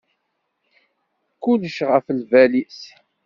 Kulec ɣef lbal-is.